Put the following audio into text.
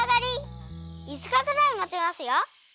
いつかくらいもちますよ。